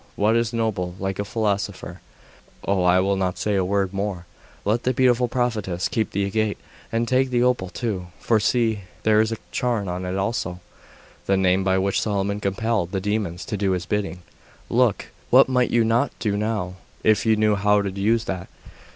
That is noble! Like a philosopher! Oh, I will not say a word more. Let the beautiful prophetess keep the agate, and take the opal too; for see, there is a charm on it also! The name by which Solomon compelled the demons to do his bidding. Look! What might you not do now, if you knew how to use that!